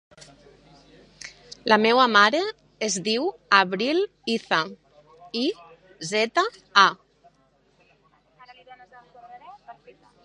La meva mare es diu Avril Iza: i, zeta, a.